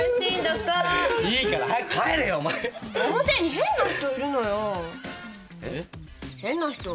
変な人。